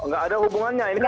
gak ada hubungannya ini kan